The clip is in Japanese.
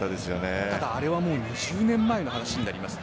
ただ、あれは２０年前の話になります。